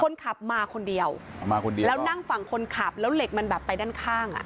คนขับมาคนเดียวอ๋อมาคนเดียวแล้วนั่งฝั่งคนขับแล้วเหล็กมันแบบไปด้านข้างอ่ะ